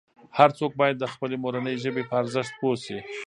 هر څوک باید د خپلې مورنۍ ژبې په ارزښت پوه سي.